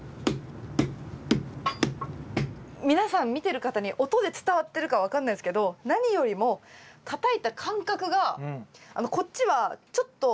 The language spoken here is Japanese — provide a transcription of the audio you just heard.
皆さん見てる方に音で伝わってるか分かんないですけど何よりもたたいた感覚がこっちはちょっと跳ね返るんですよ。